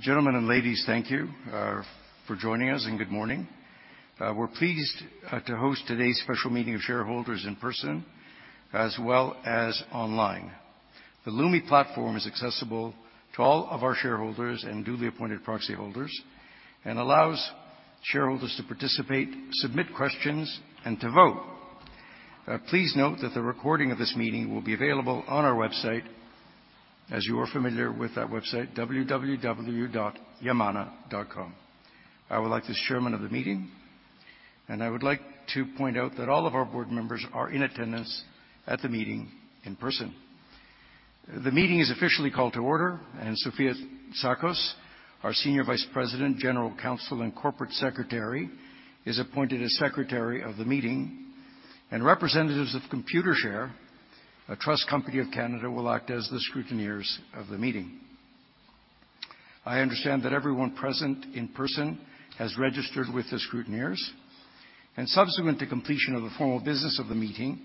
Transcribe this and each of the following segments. Gentlemen and Ladies, thank you for joining us, and good morning. We're pleased to host today's special meeting of shareholders in person as well as online. The Lumi platform is accessible to all of our shareholders and duly appointed proxy holders, and allows shareholders to participate, submit questions, and to vote. Please note that the recording of this meeting will be available on our website as you are familiar with that website, www.yamana.com. I would like to point out that all of our board members are in attendance at the meeting in person. The meeting is officially called to order. Sofia Tsakos, our Senior Vice President, General Counsel and Corporate Secretary, is appointed as Secretary of the meeting. Representatives of Computershare, a trust company of Canada, will act as the scrutineers of the meeting. I understand that everyone present in person has registered with the scrutineers. Subsequent to completion of the formal business of the meeting,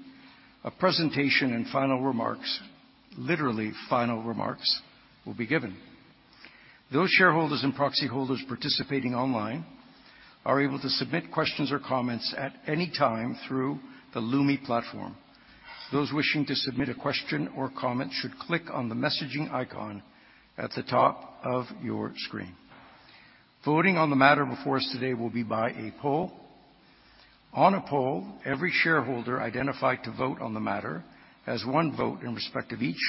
a presentation and final remarks, literally final remarks, will be given. Those shareholders and proxy holders participating online are able to submit questions or comments at any time through the Lumi platform. Those wishing to submit a question or comment should click on the messaging icon at the top of your screen. Voting on the matter before us today will be by a poll. On a poll, every shareholder identified to vote on the matter has one vote in respect of each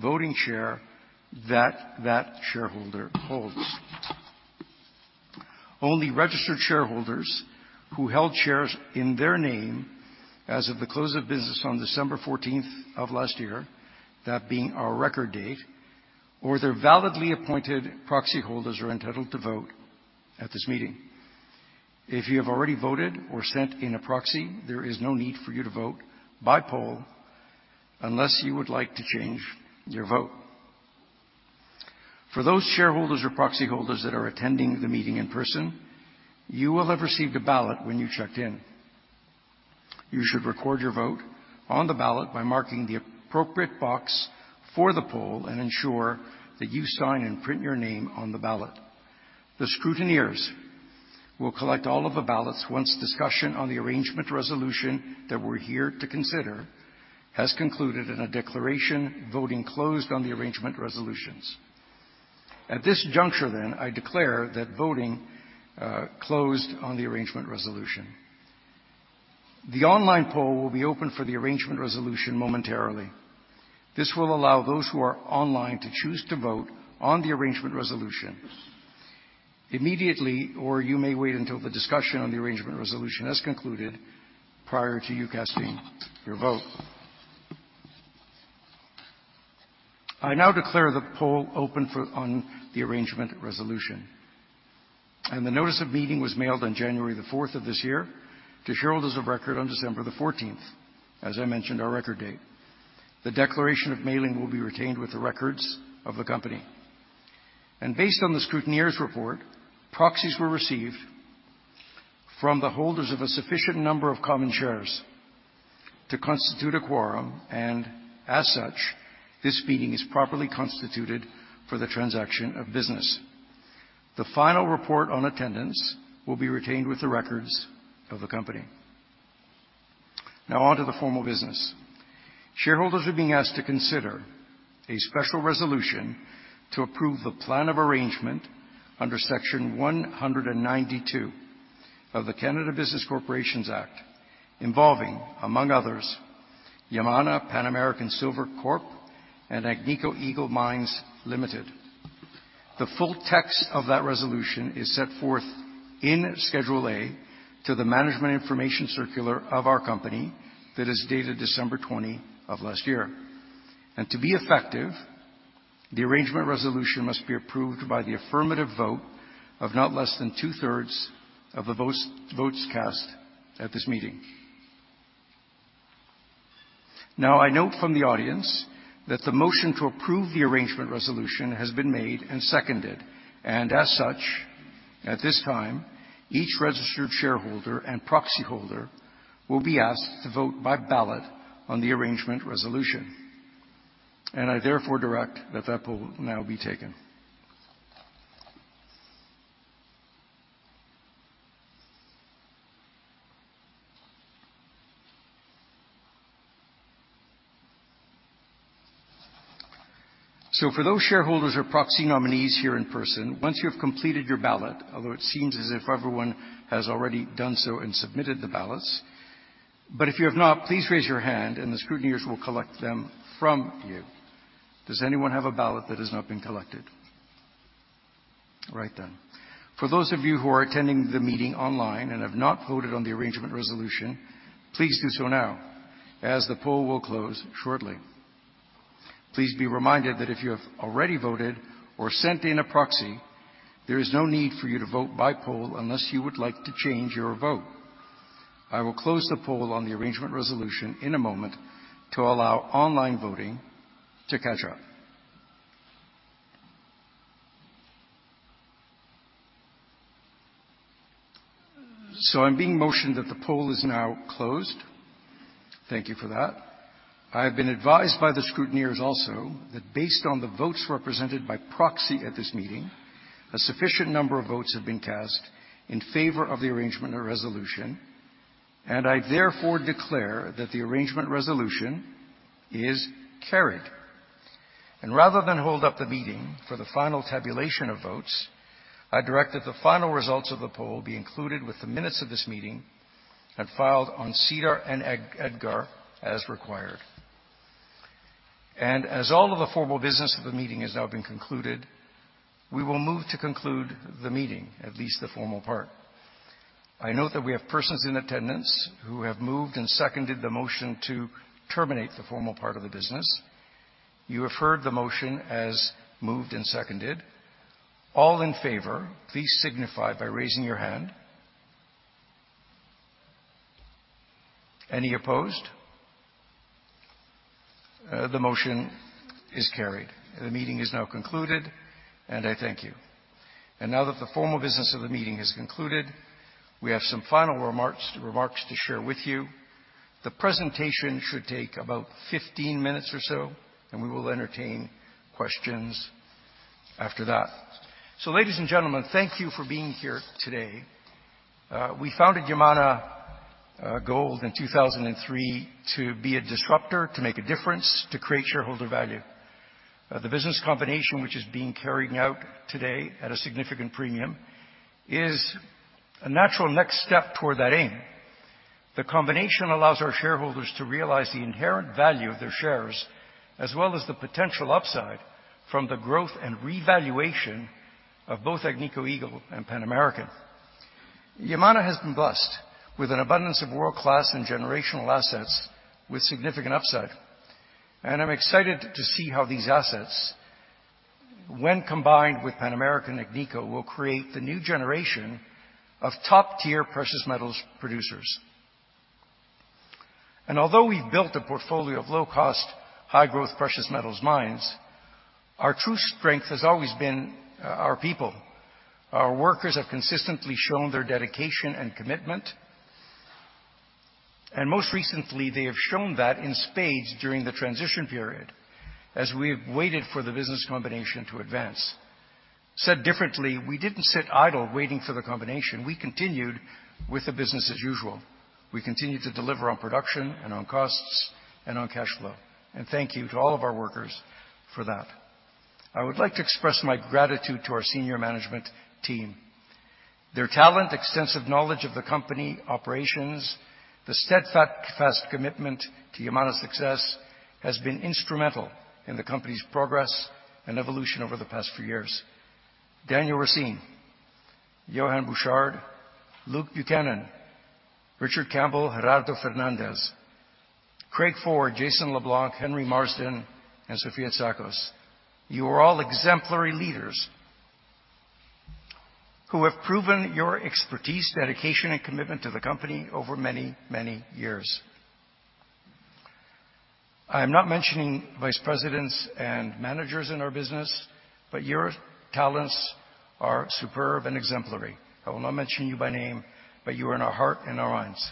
voting share that shareholder holds. Only registered shareholders who held shares in their name as of the close of business on December 14th of last year, that being our record date, or their validly appointed proxy holders are entitled to vote at this meeting. If you have already voted or sent in a proxy, there is no need for you to vote by poll unless you would like to change your vote. For those shareholders or proxy holders that are attending the meeting in person, you will have received a ballot when you checked in. You should record your vote on the ballot by marking the appropriate box for the poll and ensure that you sign and print your name on the ballot. The scrutineers will collect all of the ballots once discussion on the arrangement resolution that we're here to consider has concluded in a declaration voting closed on the arrangement resolutions. At this juncture then, I declare that voting closed on the arrangement resolution. The online poll will be open for the arrangement resolution momentarily. This will allow those who are online to choose to vote on the arrangement resolution immediately, or you may wait until the discussion on the arrangement resolution has concluded prior to you casting your vote. I now declare the poll open on the arrangement resolution. The notice of meeting was mailed on January the fourth of this year to shareholders of record on December the fourteenth. As I mentioned, our record date. The declaration of mailing will be retained with the records of the company. Based on the scrutineers report, proxies were received from the holders of a sufficient number of common shares to constitute a quorum, and as such, this meeting is properly constituted for the transaction of business. The final report on attendance will be retained with the records of the company. Now on to the formal business. Shareholders are being asked to consider a special resolution to approve the plan of arrangement under Section 192 of the Canada Business Corporations Act, involving, among others, Yamana Pan American Silver Corp, and Agnico Eagle Mines Limited. The full text of that resolution is set forth in Schedule A to the management information circular of our company that is dated December 20 of last year. To be effective, the arrangement resolution must be approved by the affirmative vote of not less than 2/3 Of the votes cast at this meeting. I note from the audience that the motion to approve the arrangement resolution has been made and seconded. As such, at this time, each registered shareholder and proxy holder will be asked to vote by ballot on the arrangement resolution. I therefore direct that poll now be taken. For those shareholders or proxy nominees here in person, once you have completed your ballot, although it seems as if everyone has already done so and submitted the ballots, but if you have not, please raise your hand and the scrutineers will collect them from you. Does anyone have a ballot that has not been collected? All right. For those of you who are attending the meeting online and have not voted on the arrangement resolution, please do so now, as the poll will close shortly. Please be reminded that if you have already voted or sent in a proxy, there is no need for you to vote by poll unless you would like to change your vote. I will close the poll on the arrangement resolution in a moment to allow online voting to catch up. I'm being motioned that the poll is now closed. Thank you for that. I have been advised by the scrutineers also that based on the votes represented by proxy at this meeting, a sufficient number of votes have been cast in favor of the arrangement resolution. I therefore declare that the arrangement resolution is carried. Rather than hold up the meeting for the final tabulation of votes, I direct that the final results of the poll be included with the minutes of this meeting and filed on SEDAR and EDGAR as required. As all of the formal business of the meeting has now been concluded, we will move to conclude the meeting, at least the formal part. I note that we have persons in attendance who have moved and seconded the motion to terminate the formal part of the business. You have heard the motion as moved and seconded. All in favor, please signify by raising your hand. Any opposed? The motion is carried. The meeting is now concluded, and I thank you. Now that the formal business of the meeting is concluded, we have some final remarks to share with you. The presentation should take about 15 minutes or so, and we will entertain questions after that. Ladies and gentlemen, thank you for being here today. We founded Yamana Gold in 2003 to be a disruptor, to make a difference, to create shareholder value. The business combination, which is being carried out today at a significant premium, is a natural next step toward that aim. The combination allows our shareholders to realize the inherent value of their shares, as well as the potential upside from the growth and revaluation of both Agnico Eagle and Pan American. Yamana has been blessed with an abundance of world-class and generational assets with significant upside. I'm excited to see how these assets, when combined with Pan American, Agnico, will create the new generation of top-tier precious metals producers. Although we've built a portfolio of low-cost, high-growth precious metals mines, our true strength has always been, our people. Our workers have consistently shown their dedication and commitment. Most recently, they have shown that in spades during the transition period as we have waited for the business combination to advance. Said differently, we didn't sit idle waiting for the combination. We continued with the business as usual. We continued to deliver on production and on costs and on cash flow. Thank you to all of our workers for that. I would like to express my gratitude to our senior management team. Their talent, extensive knowledge of the company operations, the steadfast commitment to Yamana's success has been instrumental in the company's progress and evolution over the past few years. Daniel Racine, Johan Bouchard, Luke Buchanan, Richard Campbell, Gerardo Fernandez, Craig Ford, Jason LeBlanc, Henry Marsden, and Sofia Tsakos. You are all exemplary leaders who have proven your expertise, dedication, and commitment to the company over many, many years. I'm not mentioning vice presidents and managers in our business, but your talents are superb and exemplary. I will not mention you by name, but you are in our heart and our minds.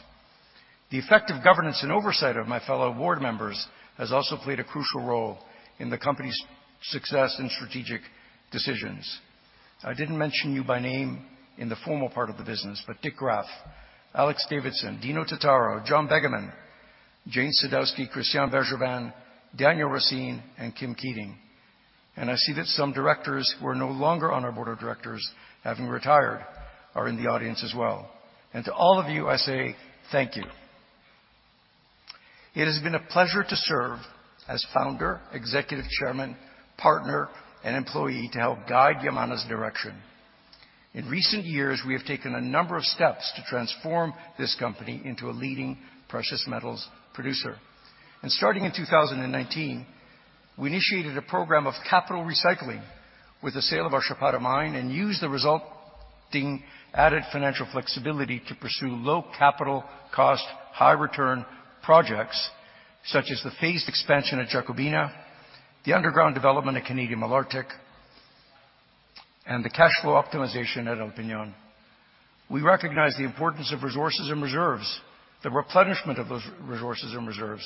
The effective governance and oversight of my fellow board members has also played a crucial role in the company's success and strategic decisions. I didn't mention you by name in the formal part of the business. Dick Graff, Alex Davidson, Dino Turturro, John Begeman, Jane Sadowski, Christian Bergeron, Daniel Racine, and Kim Keating. I see that some directors who are no longer on our board of directors, having retired, are in the audience as well. To all of you, I say thank you. It has been a pleasure to serve as founder, executive chairman, partner, and employee to help guide Yamana's direction. In recent years, we have taken a number of steps to transform this company into a leading precious metals producer. Starting in 2019, we initiated a program of capital recycling with the sale of our Chapada mine and used the resulting added financial flexibility to pursue low capital cost, high return projects such as the phased expansion at Jacobina, the underground development at Canadian Malartic, and the cash flow optimization at El Peñon. We recognize the importance of resources and reserves, the replenishment of those resources and reserves,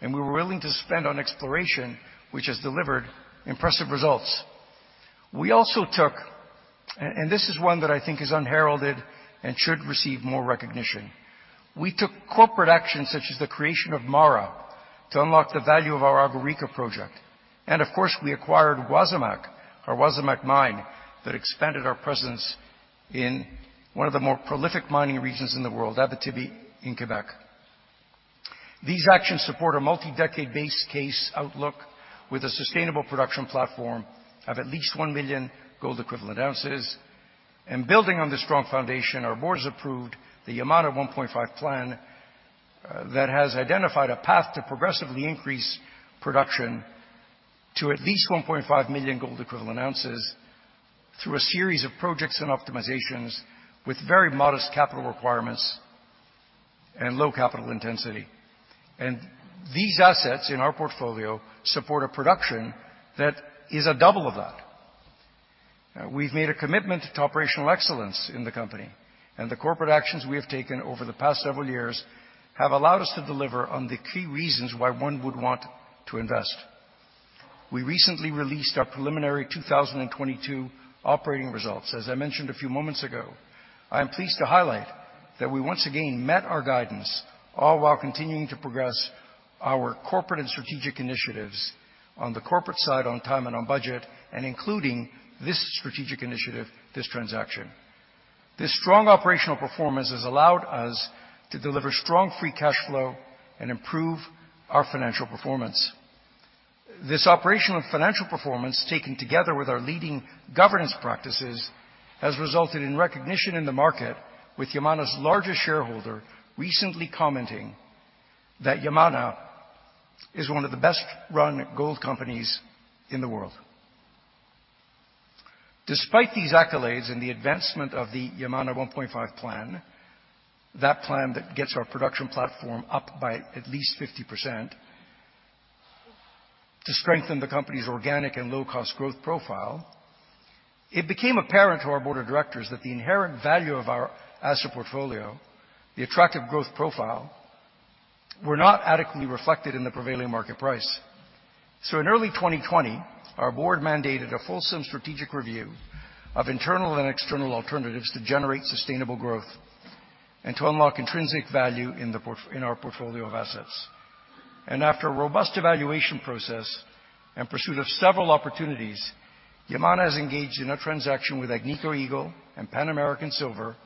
and we were willing to spend on exploration which has delivered impressive results. We also took, and this is one that I think is unheralded and should receive more recognition. We took corporate actions such as the creation of MARA to unlock the value of our Agua Rica project. Of course, we acquired Wasamac, our Wasamac mine, that expanded our presence in one of the more prolific mining regions in the world, Abitibi in Quebec. These actions support a multi-decade base case outlook with a sustainable production platform of at least 1 million gold equivalent ounces. Building on this strong foundation, our board has approved the Yamana 1.5 Plan, that has identified a path to progressively increase production to at least 1.5 million gold equivalent ounces through a series of projects and optimizations with very modest capital requirements. Low capital intensity. These assets in our portfolio support a production that is a double of that. We've made a commitment to operational excellence in the company, and the corporate actions we have taken over the past several years have allowed us to deliver on the key reasons why one would want to invest. We recently released our preliminary 2022 operating results. As I mentioned a few moments ago, I am pleased to highlight that we once again met our guidance, all while continuing to progress our corporate and strategic initiatives on the corporate side on time and on budget, and including this strategic initiative, this transaction. This strong operational performance has allowed us to deliver strong free cash flow and improve our financial performance. This operational and financial performance, taken together with our leading governance practices, has resulted in recognition in the market with Yamana's largest shareholder recently commenting that Yamana is one of the best-run gold companies in the world. Despite these accolades and the advancement of the Yamana 1.5 Plan, that plan that gets our production platform up by at least 50% to strengthen the company's organic and low-cost growth profile, it became apparent to our board of directors that the inherent value of our asset portfolio, the attractive growth profile, were not adequately reflected in the prevailing market price. In early 2020, our board mandated a fulsome strategic review of internal and external alternatives to generate sustainable growth and to unlock intrinsic value in our portfolio of assets. After a robust evaluation process and pursuit of several opportunities, Yamana has engaged in a transaction with Agnico Eagle and Pan American Silver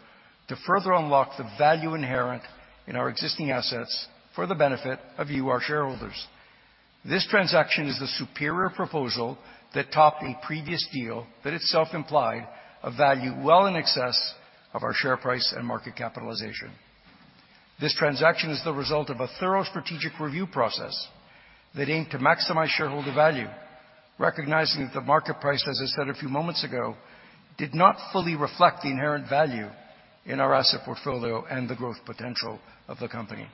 to further unlock the value inherent in our existing assets for the benefit of you, our shareholders. This transaction is the superior proposal that topped a previous deal that itself implied a value well in excess of our share price and market capitalization. This transaction is the result of a thorough strategic review process that aimed to maximize shareholder value, recognizing that the market price, as I said a few moments ago, did not fully reflect the inherent value in our asset portfolio and the growth potential of the company.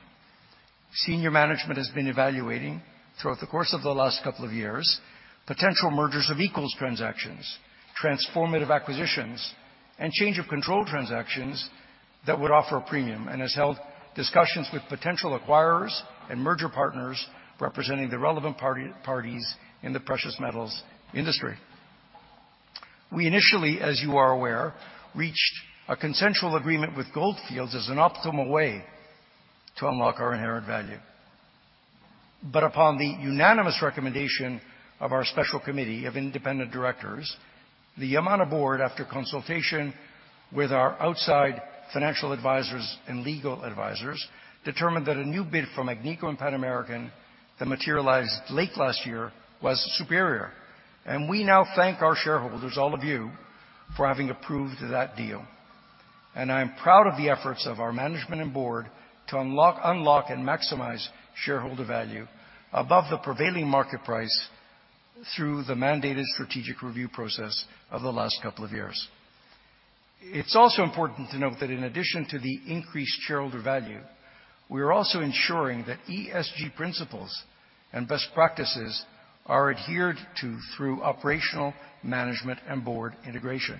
Senior management has been evaluating throughout the course of the last couple of years potential mergers of equals transactions, transformative acquisitions, and change of control transactions that would offer a premium and has held discussions with potential acquirers and merger partners representing the relevant parties in the precious metals industry. We initially, as you are aware, reached a consensual agreement with Gold Fields as an optimal way to unlock our inherent value. Upon the unanimous recommendation of our Special Committee of independent directors, the Yamana board, after consultation with our outside financial advisors and legal advisors, determined that a new bid from Agnico Eagle and Pan American Silver that materialized late last year was superior. We now thank our shareholders, all of you, for having approved that deal. I am proud of the efforts of our management and board to unlock and maximize shareholder value above the prevailing market price through the mandated strategic review process of the last couple of years. It's also important to note that in addition to the increased shareholder value, we are also ensuring that ESG principles and best practices are adhered to through operational management and board integration.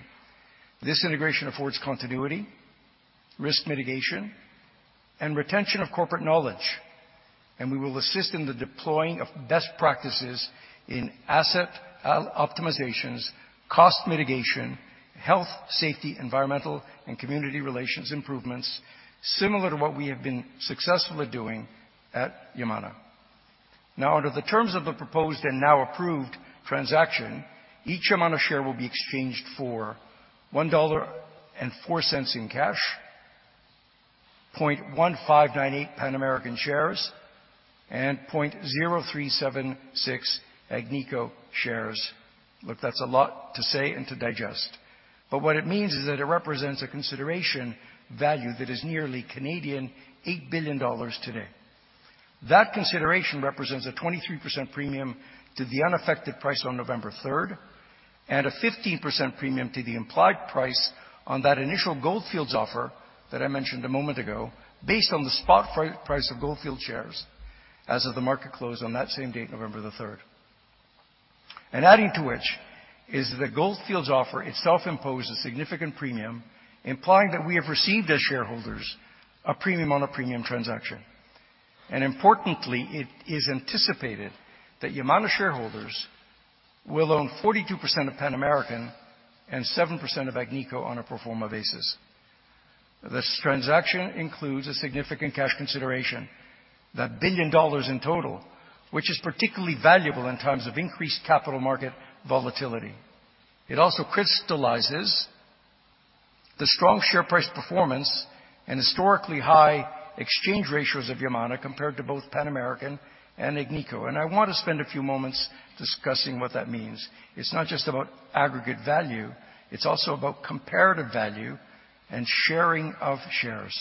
This integration affords continuity, risk mitigation, and retention of corporate knowledge. We will assist in the deploying of best practices in asset optimizations, cost mitigation, health, safety, environmental, and community relations improvements similar to what we have been successfully doing at Yamana. Under the terms of the proposed and now approved transaction, each amount of share will be exchanged for $1.04 in cash, 0.1598 Pan American shares, and 0.0376 Agnico shares. That's a lot to say and to digest. What it means is that it represents a consideration value that is nearly 8 billion Canadian dollars today. That consideration represents a 23% premium to the unaffected price on November 3rd and a 15% premium to the implied price on that initial Gold Fields offer that I mentioned a moment ago, based on the spot price of Gold Fields shares as of the market close on that same date, November the 3rd. Adding to which is the Gold Fields offer itself imposed a significant premium, implying that we have received as shareholders a premium on a premium transaction. Importantly, it is anticipated that Yamana shareholders will own 42% of Pan American Silver and 7% of Agnico Eagle on a pro forma basis. This transaction includes a significant cash consideration, that $1 billion in total, which is particularly valuable in times of increased capital market volatility. It also crystallizes the strong share price performance and historically high exchange ratios of Yamana compared to both Pan American Silver and Agnico Eagle. I want to spend a few moments discussing what that means. It's not just about aggregate value, it's also about comparative value and sharing of shares.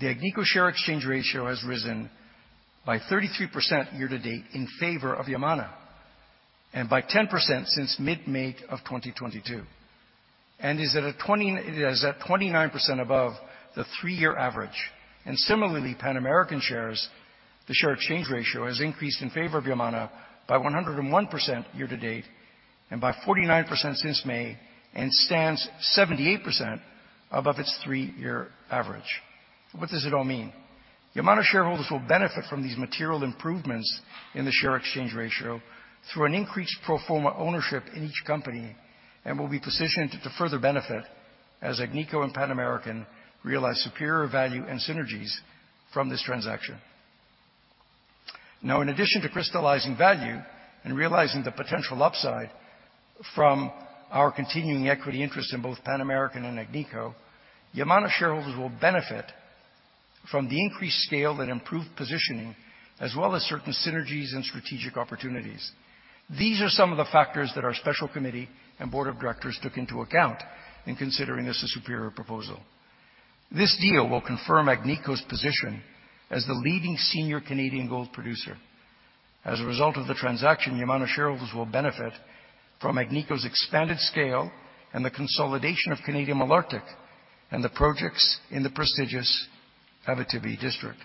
The Agnico share exchange ratio has risen by 33% year-to-date in favor of Yamana. By 10% since mid-May of 2022. It is at 29% above the three-year average. Similarly, Pan American shares, the share change ratio, has increased in favor of Yamana by 101% year-to-date and by 49% since May and stands 78% above its three-year average. What does it all mean? Yamana shareholders will benefit from these material improvements in the share exchange ratio through an increased pro forma ownership in each company and will be positioned to further benefit as Agnico and Pan American realize superior value and synergies from this transaction. Now, in addition to crystallizing value and realizing the potential upside from our continuing equity interest in both Pan American and Agnico, Yamana shareholders will benefit from the increased scale and improved positioning, as well as certain synergies and strategic opportunities. These are some of the factors that our special committee and board of directors took into account in considering this a superior proposal. This deal will confirm Agnico's position as the leading senior Canadian gold producer. As a result of the transaction, Yamana shareholders will benefit from Agnico's expanded scale and the consolidation of Canadian Malartic and the projects in the prestigious Abitibi district.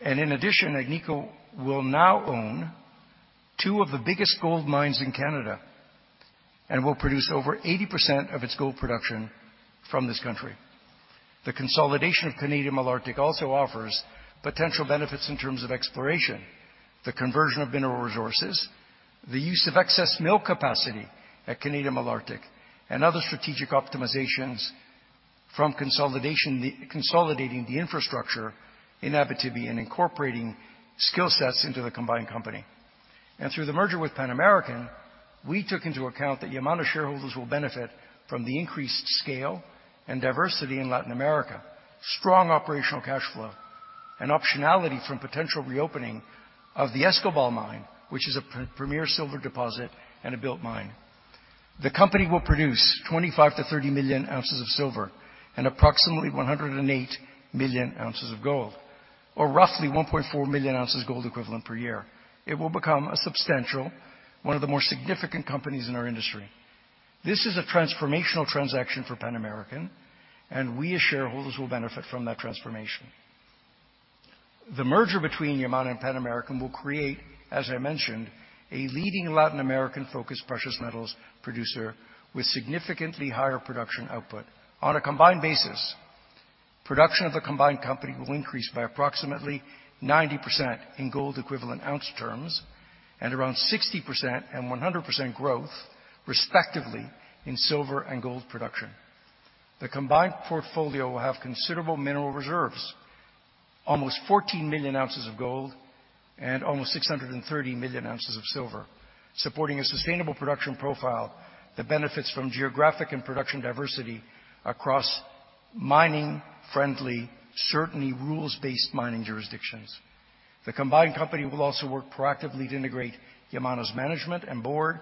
In addition, Agnico will now own two of the biggest gold mines in Canada and will produce over 80% of its gold production from this country. The consolidation of Canadian Malartic also offers potential benefits in terms of exploration, the conversion of mineral resources, the use of excess mill capacity at Canadian Malartic, and other strategic optimizations from consolidation, consolidating the infrastructure in Abitibi and incorporating skill sets into the combined company. Through the merger with Pan American, we took into account that Yamana shareholders will benefit from the increased scale and diversity in Latin America, strong operational cash flow, and optionality from potential reopening of the Escobal mine, which is a premier silver deposit and a built mine. The company will produce 25-30 million ounces of silver and approximately 108 million ounces of gold, or roughly 1.4 million ounces gold equivalent per year. It will become a substantial, one of the more significant companies in our industry. This is a transformational transaction for Pan American, we as shareholders will benefit from that transformation. The merger between Yamana and Pan American will create, as I mentioned, a leading Latin American-focused precious metals producer with significantly higher production output. On a combined basis, production of the combined company will increase by approximately 90% in gold equivalent ounce terms and around 60% and 100% growth, respectively, in silver and gold production. The combined portfolio will have considerable mineral reserves, almost 14 million ounces of gold and almost 630 million ounces of silver, supporting a sustainable production profile that benefits from geographic and production diversity across mining-friendly, certainly rules-based mining jurisdictions. The combined company will also work proactively to integrate Yamana's management and board,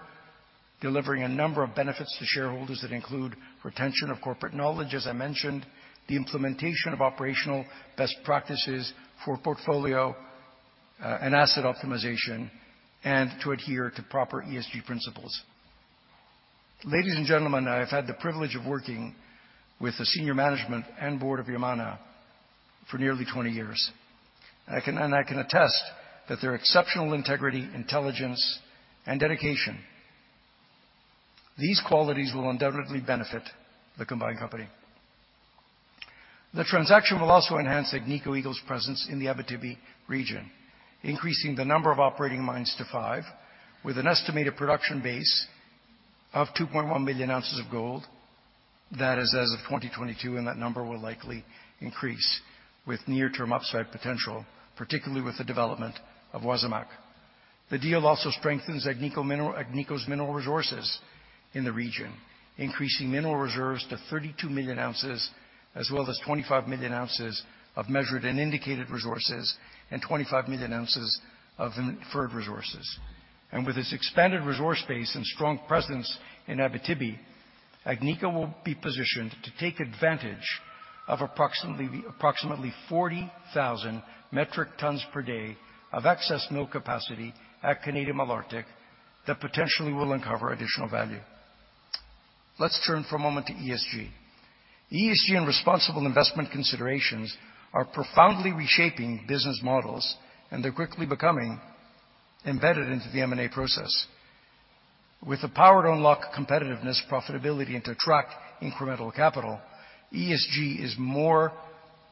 delivering a number of benefits to shareholders that include retention of corporate knowledge, as I mentioned, the implementation of operational best practices for portfolio, and asset optimization, and to adhere to proper ESG principles. Ladies and gentlemen, I have had the privilege of working with the senior management and board of Yamana for nearly 20 years. I can attest that their exceptional integrity, intelligence, and dedication, these qualities will undoubtedly benefit the combined company. The transaction will also enhance Agnico Eagle's presence in the Abitibi region, increasing the number of operating mines to five, with an estimated production base of 2.1 million ounces of gold. That is as of 2022, that number will likely increase with near-term upside potential, particularly with the development of Wasamac. The deal also strengthens Agnico's mineral resources in the region, increasing mineral reserves to 32 million ounces, as well as 25 million ounces of measured and indicated resources and 25 million ounces of inferred resources. With this expanded resource base and strong presence in Abitibi, Agnico will be positioned to take advantage of approximately 40,000 metric tons per day of excess mill capacity at Canadian Malartic that potentially will uncover additional value. Let's turn for a moment to ESG. ESG and responsible investment considerations are profoundly reshaping business models, and they're quickly becoming embedded into the M&A process. With the power to unlock competitiveness, profitability, and to attract incremental capital, ESG is more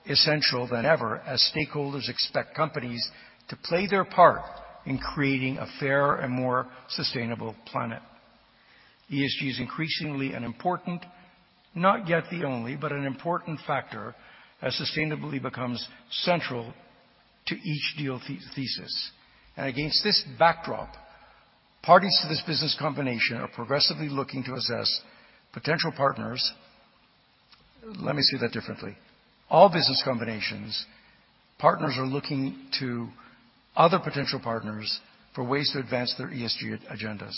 essential than ever as stakeholders expect companies to play their part in creating a fairer and more sustainable planet. ESG is increasingly an important, not yet the only, but an important factor as sustainability becomes central to each deal thesis. Against this backdrop, parties to this business combination are progressively looking to assess potential partners. Let me say that differently. All business combinations, partners are looking to other potential partners for ways to advance their ESG agendas.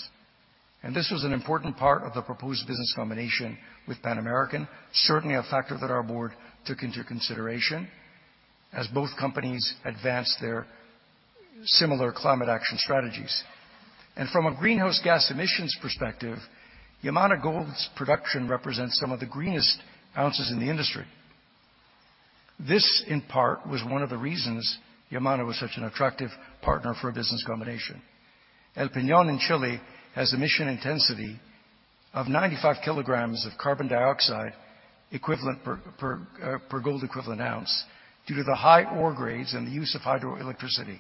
This was an important part of the proposed business combination with Pan American, certainly a factor that our board took into consideration as both companies advanced their similar climate action strategies. From a greenhouse gas emissions perspective, Yamana Gold's production represents some of the greenest ounces in the industry. This, in part, was one of the reasons Yamana was such an attractive partner for a business combination. El Peñon in Chile has emission intensity of 95 kilograms of carbon dioxide equivalent per gold equivalent ounce due to the high ore grades and the use of hydroelectricity,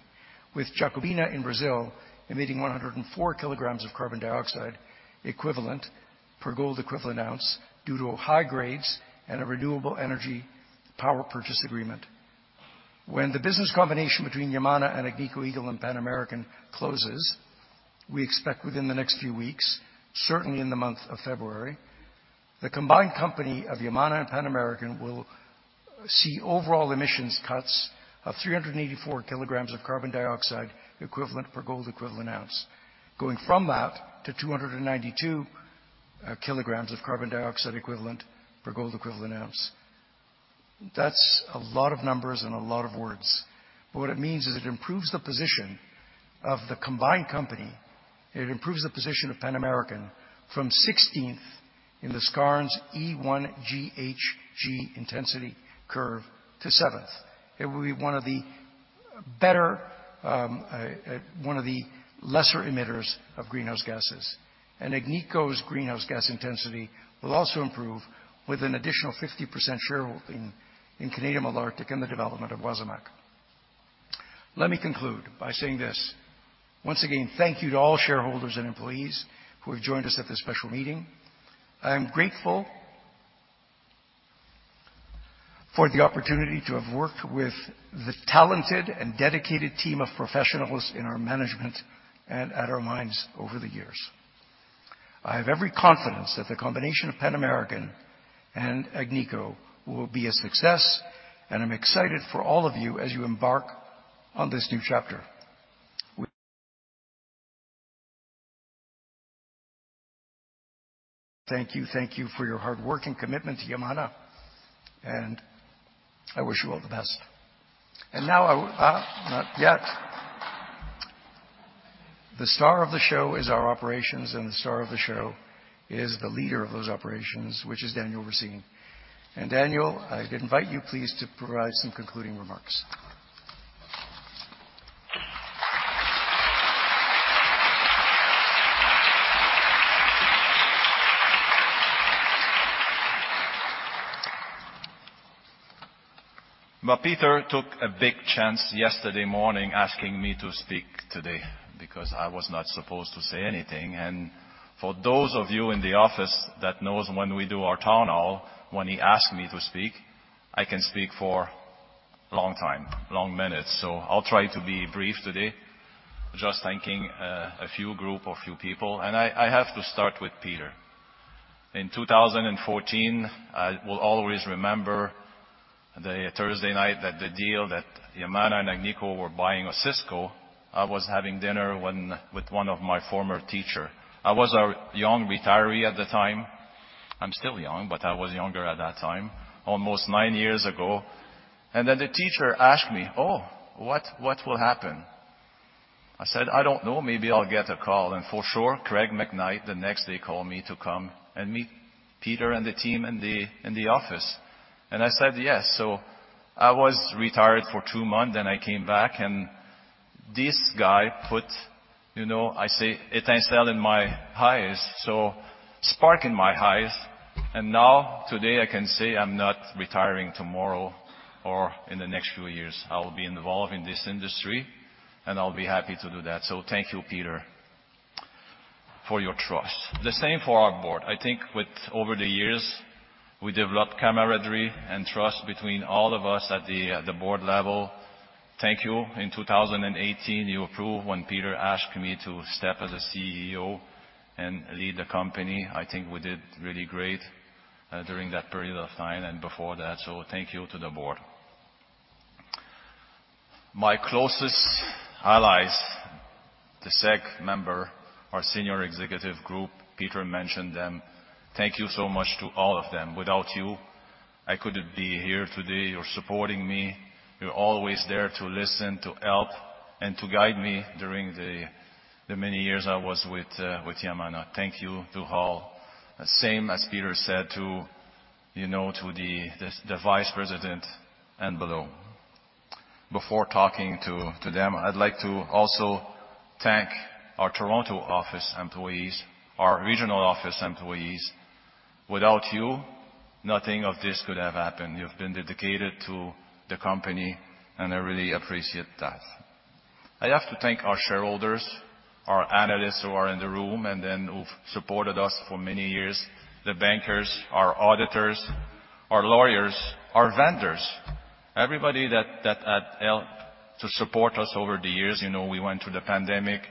with Jacobina in Brazil emitting 104 kilograms of carbon dioxide equivalent per gold equivalent ounce due to high grades and a renewable energy power purchase agreement. When the business combination between Yamana and Agnico Eagle and Pan American Silver closes, we expect within the next few weeks, certainly in the month of February, the combined company of Yamana and Pan American Silver will see overall emissions cuts of 384 kilograms of carbon dioxide equivalent per gold equivalent ounce. Going from that to 292 kilograms of carbon dioxide equivalent per gold equivalent ounce. That's a lot of numbers and a lot of words. What it means is it improves the position of the combined company, it improves the position of Pan American Silver from 16th in the Scotiabank's GHG intensity curve to 7th. It will be one of the better, one of the lesser emitters of greenhouse gases. Agnico's greenhouse gas intensity will also improve with an additional 50% shareholding in Canadian Malartic and the development of Wasamac. Let me conclude by saying this. Once again, thank you to all shareholders and employees who have joined us at this special meeting. I am grateful for the opportunity to have worked with the talented and dedicated team of professionals in our management and at our mines over the years. I have every confidence that the combination of Pan American and Agnico will be a success. I'm excited for all of you as you embark on this new chapter. Thank you for your hard work and commitment to Yamana. I wish you all the best. Now not yet. The star of the show is our operations. The star of the show is the leader of those operations, which is Daniel Racine. Daniel, I invite you please to provide some concluding remarks. Peter took a big chance yesterday morning asking me to speak today because I was not supposed to say anything. For those of you in the office that knows when we do our town hall, when he asked me to speak, I can speak for long time, long minutes. I'll try to be brief today, just thanking a few group or few people. I have to start with Peter. In 2014, I will always remember the Thursday night that the deal that Yamana and Agnico were buying Osisko. I was having dinner with one of my former teacher. I was a young retiree at the time. I'm still young, but I was younger at that time, almost nine years ago. The teacher asked me, "Oh, what will happen?" I said, "I don't know. Maybe I'll get a call." For sure, Craig McKnight, the next day, called me to come and meet Peter and the team in the, in the office. I said, "Yes." I was retired for two months, and I came back, and this guy put, you know, I say, French language ] in my highs. Spark in my highs. Now, today, I can say I'm not retiring tomorrow or in the next few years. I'll be involved in this industry, and I'll be happy to do that. Thank you, Peter, for your trust. The same for our board. I think with over the years, we developed camaraderie and trust between all of us at the, at the board level. Thank you. In 2018, you approved when Peter asked me to step as a CEO and lead the company. I think we did really great during that period of time and before that. Thank you to the board. My closest allies, the SEC member, our senior executive group. Peter mentioned them. Thank you so much to all of them. Without you, I couldn't be here today. You're supporting me. You're always there to listen, to help, and to guide me during the many years I was with Yamana. Thank you to all. The same as Peter said to, you know, to the vice president and below. Before talking to them, I'd like to also thank our Toronto office employees, our regional office employees. Without you, nothing of this could have happened. You've been dedicated to the company, and I really appreciate that. I have to thank our shareholders, our analysts who are in the room and then who've supported us for many years, the bankers, our auditors, our lawyers, our vendors, everybody that had helped to support us over the years. You know, we went through the pandemic,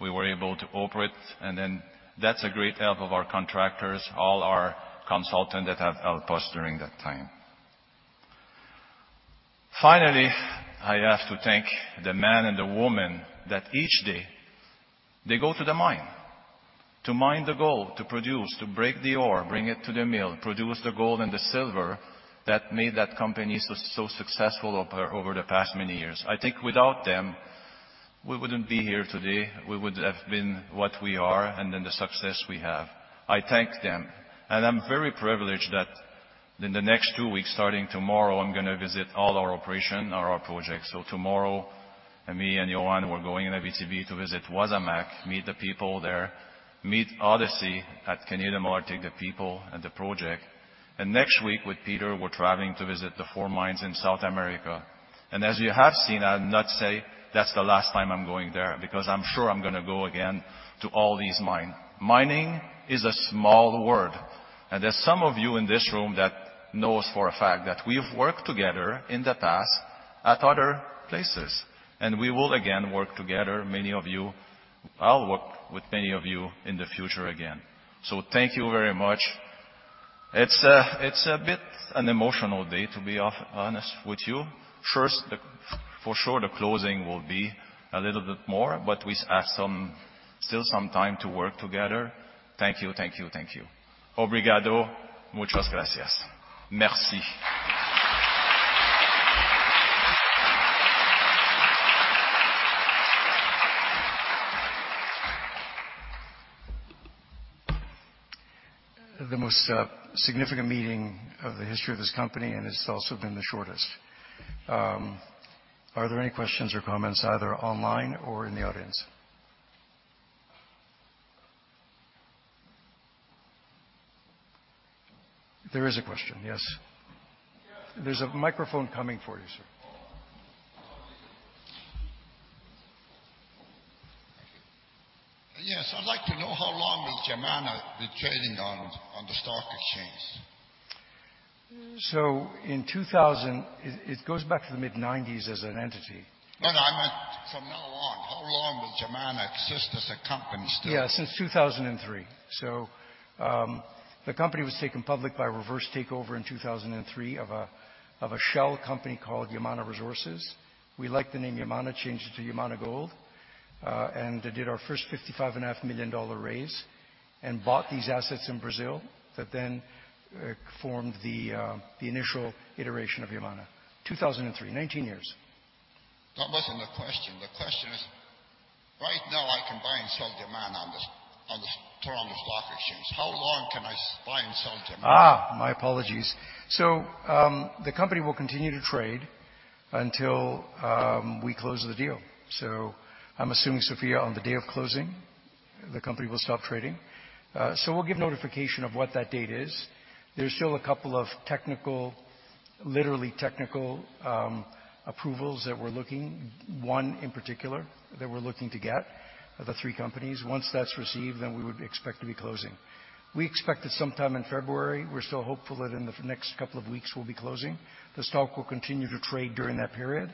we were able to operate, and then that's a great help of our contractors, all our consultants that have helped us during that time. Finally, I have to thank the man and the woman that each day they go to the mine to mine the gold, to produce, to break the ore, bring it to the mill, produce the gold and the silver that made that company so successful over the past many years. I think without them, we wouldn't be here today, we would have been what we are and then the success we have. I thank them. I'm very privileged that in the next two weeks, starting tomorrow, I'm gonna visit all our operation or our projects. Tomorrow, me and Johan, we're going in Abitibi to visit Wasamac, meet the people there, meet Odyssey at Canadian Malartic, the people and the project. Next week with Peter, we're traveling to visit the four mines in South America. As you have seen, I'll not say that's the last time I'm going there, because I'm sure I'm gonna go again to all these mine. Mining is a small word, and there's some of you in this room that knows for a fact that we've worked together in the past at other places. We will again work together, many of you. I'll work with many of you in the future again. Thank you very much. It's a bit an emotional day, to be honest with you. First for sure, the closing will be a little bit more, but we have some, still some time to work together. Thank you, thank you, thank you. Obrigado. Muchos gracias. Merci. The most significant meeting of the history of this company. It's also been the shortest. Are there any questions or comments either online or in the audience? There is a question, yes. Yes. There's a microphone coming for you, sir. Thank you. Yes, I'd like to know how long is Yamana been trading on the stock exchange? It goes back to the mid-nineties as an entity. No, no, I meant from now on. How long will Yamana exist as a company still? Yeah. Since 2003. The company was taken public by reverse takeover in 2003 of a shell company called Yamana Resources. We liked the name Yamana, changed it to Yamana Gold, and did our first $55.5 million raise, and bought these assets in Brazil that then formed the initial iteration of Yamana. 2003. 19 years. That wasn't the question. The question is, right now I can buy and sell Yamana on this, through on the stock exchange. How long can I buy and sell Yamana? My apologies. The company will continue to trade until we close the deal. I'm assuming, Sofia, on the day of closing, the company will stop trading. We'll give notification of what that date is. There's still a couple of technical, literally technical, approvals that we're looking, one in particular, that we're looking to get of the three companies. Once that's received, we would expect to be closing. We expect it sometime in February. We're still hopeful that in the next couple of weeks we'll be closing. The stock will continue to trade during that period,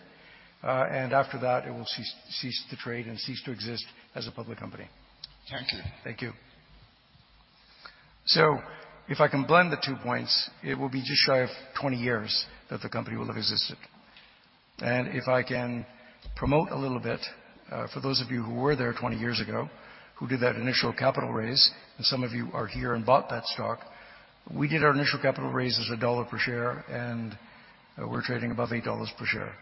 and after that it will cease to trade and cease to exist as a public company. Thank you. Thank you. If I can blend the two points, it will be just shy of 20 years that the company will have existed. If I can promote a little bit, for those of you who were there 20 years ago, who did that initial capital raise, and some of you are here and bought that stock, we did our initial capital raise as CAD 1 per share, and we're trading above 8 dollars per share.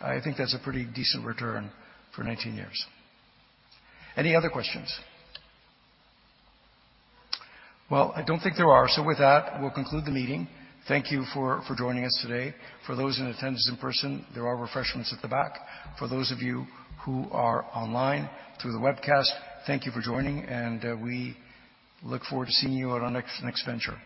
I think that's a pretty decent return for 19 years. Any other questions? Well, I don't think there are. With that, we'll conclude the meeting. Thank you for joining us today. For those in attendance in person, there are refreshments at the back. For those of you who are online through the webcast, thank you for joining, and we look forward to seeing you at our next venture.